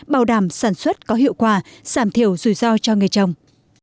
bảo đảm sản xuất có hiệu quả giảm thiểu rủi ro cho người trồng